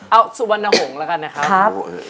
เอาสุวรรณหงษ์แล้วกันนะครับผม